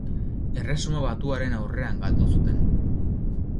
Erresuma Batuaren aurrean galdu zuten.